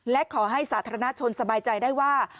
และขอให้สาธารณชนสบายใจได้ว่า